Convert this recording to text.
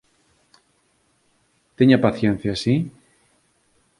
Teña paciencia, ¿si?